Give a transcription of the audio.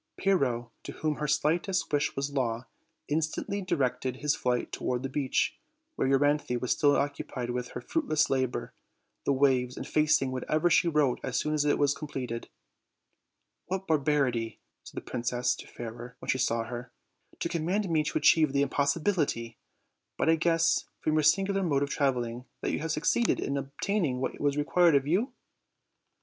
Pyrrho, to whom her slightest wish was law, instantly directed his flight toward the beach, where Euryanthe was still occupied with her fruitless labor, the waves effacing whatever she wrote as soon as it was completed. "What barbarity," said the "princess to Fairer when she saw her, "to command me to achieve an impossibility! But I guess, from your singular mode of traveling, that you have succeeded in obtaining what was required of you."